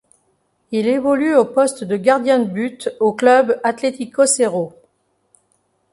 Il évolue au poste de gardien de but au Club Atlético Cerro.